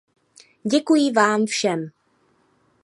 Děkuji vám všem.